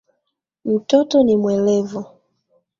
Mtoto ni mwerevu